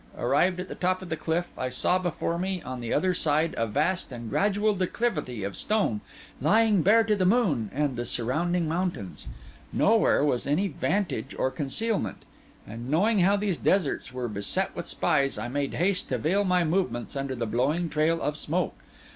Arrived at the top of the cliff, I saw before me on the other side a vast and gradual declivity of stone, lying bare to the moon and the surrounding mountains. Nowhere was any vantage or concealment; and knowing how these deserts were beset with spies, I made haste to veil my movements under the blowing trail of smoke.